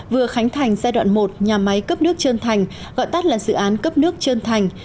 vừa khánh thành giai đoạn một nhà máy cấp nước trơn thành gọi tắt là dự án cấp nước trơn thành